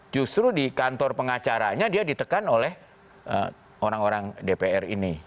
justru di kantor pengacaranya dia ditekan oleh orang orang dpr ini